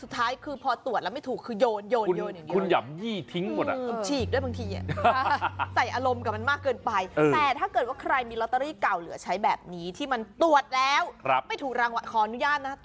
ถือว่าเป็นไอเดียที่ดีมากน่ะ